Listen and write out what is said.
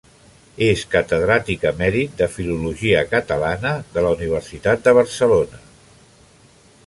És catedràtic emèrit de Filologia Catalana de la Universitat de Barcelona.